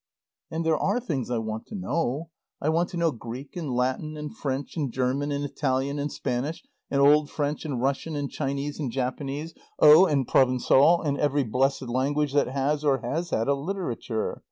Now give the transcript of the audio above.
And there are things I want to know. I want to know Greek and Latin and French and German and Italian and Spanish, and Old French and Russian and Chinese and Japanese, oh, and Provençal, and every blessed language that has or has had a literature.